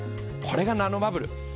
これがナノバブル。